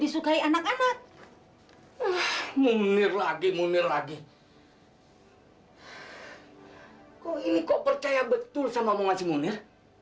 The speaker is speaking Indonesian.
disukai anak anak munir lagi munir lagi kok ini kok percaya betul sama mau masih munir